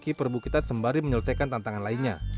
kaki perbukitan sembari menyelesaikan tantangan lainnya